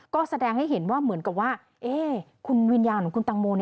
ก็แสดงให้เห็นว่าเหมือนกับว่าคุณวิญญาณของคุณตังโม